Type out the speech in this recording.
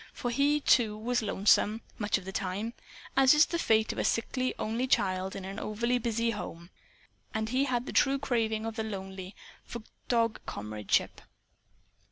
For he, too, was lonesome, much of the time, as is the fate of a sickly only child in an overbusy home. And he had the true craving of the lonely for dog comradeship.